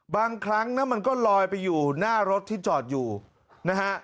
บางครั้งนะมันก็ลอยไปอยู่หน้ารถที่จอดอยู่นะฮะ